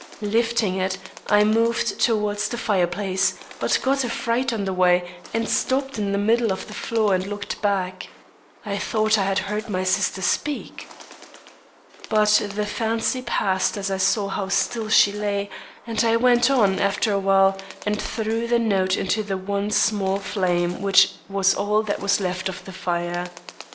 Lifting it, I moved towards the fireplace, but got a fright on the way, and stopped in the middle of the floor and looked back. I thought I had heard my sister speak! "But the fancy passed as I saw how still she lay, and I went on, after a while, and threw the note into the one small flame which was all that was left of the fire.